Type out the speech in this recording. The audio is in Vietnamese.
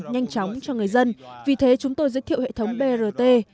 nhanh chóng cho người dân vì thế chúng tôi giới thiệu hệ thống brt